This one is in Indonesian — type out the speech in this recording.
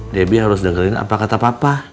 debbie harus dengerin apa kata papa